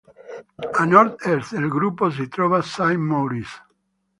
A nord-est del gruppo si trova Saint-Maurice.